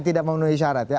tidak memenuhi syarat ya